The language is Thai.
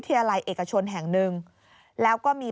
โปรดติดตามต่อไป